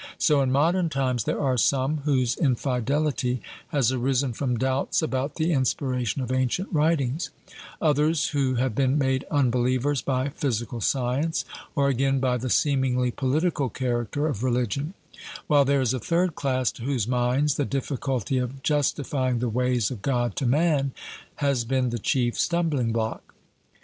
So in modern times there are some whose infidelity has arisen from doubts about the inspiration of ancient writings; others who have been made unbelievers by physical science, or again by the seemingly political character of religion; while there is a third class to whose minds the difficulty of 'justifying the ways of God to man' has been the chief stumblingblock.